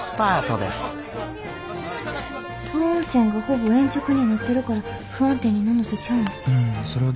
等温線がほぼ鉛直になってるから不安定になんのとちゃうの？